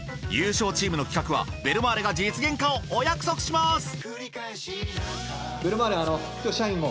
優勝チームの企画はベルマーレが実現化をお約束します！